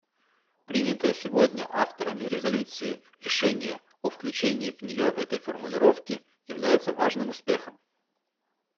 Принятое сегодня авторами резолюции решение о включении в нее этой формулировки является важным успехом.